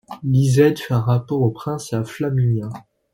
Lisette fait un rapport au Prince et à Flaminia.